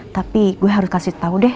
tapi gue harus kasih tahu deh